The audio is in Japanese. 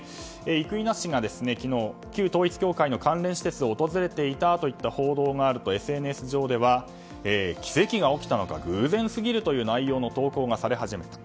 生稲氏が昨日、旧統一教会の関連施設を訪れていたといった報道があると、ＳＮＳ上では奇跡が起きたのか偶然過ぎるという内容の投稿がされ始めた。